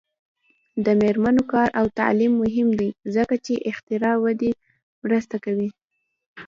د میرمنو کار او تعلیم مهم دی ځکه چې اختراع ودې مرسته کوي.